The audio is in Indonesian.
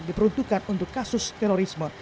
diperuntukkan untuk kasus terorisme